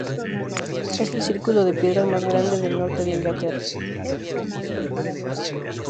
Es el círculo de piedras más grande del norte de Inglaterra.